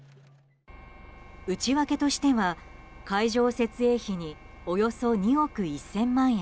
内訳としては会場設営費におよそ２億１０００万円。